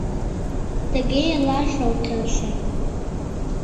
Тыге илаш ок келше.